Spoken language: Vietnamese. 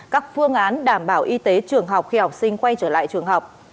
các phương án đảm bảo y tế trường học khi học sinh quay trở lại trường học